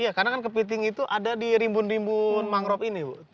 iya karena kan kepiting itu ada di rimbun rimbun mangrove ini